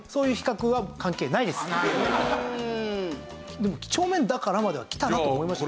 でも「きちょうめんだから」まではきたなと思いました。